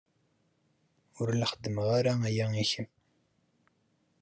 Ur la xeddmeɣ ara aya i kemm.